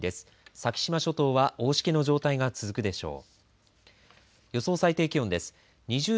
先島諸島は大しけの状態が続くでしょう。